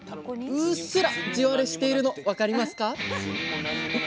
うっすら地割れしているの分かりますか？